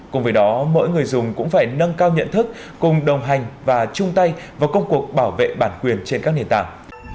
cùng với đó mỗi người dùng cũng phải nâng cao nhận thức cùng đồng hành và chung tay vào công cuộc bảo vệ bản quyền trên các nền tảng